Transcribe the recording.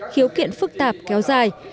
khiếu kiện phức tạp kéo dài